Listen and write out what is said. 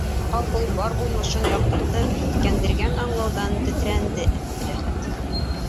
Ҡапыл бар булмышын яҡтыртып һиҫкәндергән аңлауҙан тетрәнде Әптеләхәт.